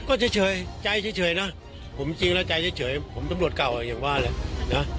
ก็เฉยเฉยใจเฉยเฉยนะผมจริงแล้วใจเฉยเฉยผมต้องรวดเก่าอย่างว่าอะไรนะ